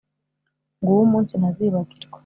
Nguwo umunsi ntazibagirwa